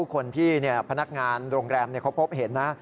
คนที่พนักงานโรงแรมเขาพบเห็นนะ